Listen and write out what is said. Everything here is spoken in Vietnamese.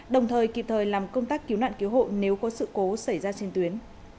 đồng thời kịp thời làm công tác cứu nạn cứu hộ nếu có sự cố xảy ra trên tuyến